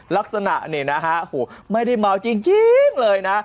ลักษณะนี่นะฮะไม่ได้เมาจริงเลยนะ